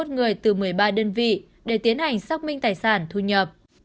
người từ một mươi ba đơn vị để tiến hành xác minh tài sản thu nhập